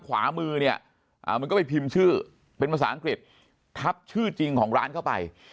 ขวามือเนี่ยมันก็ไปพิมพ์ชื่อเป็นภาษาอังกฤษทับชื่อจริงของร้านเข้าไป